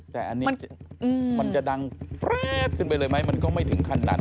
แต่อันนี้มันจะดังขึ้นไปเลยไหมมันก็ไม่ถึงคันนั้น